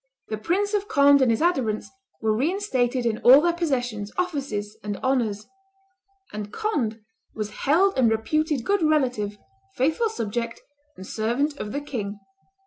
The Prince of Conde and his adherents were reinstated in all their possessions, offices, and honors; and Conde was "held and reputed good relative, faithful subject, and servant of the king."